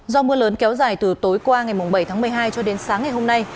do mưa lớn kéo dài từ tối qua ngày bảy tháng một mươi hai cho đến sáng ngày hôm nay